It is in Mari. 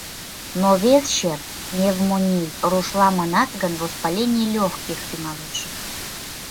Но вес чер — пневмоний, рушла манат гын, «воспаление лёгких» тӱҥалеш...